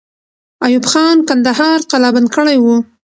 ایوب خان کندهار قلابند کړی وو.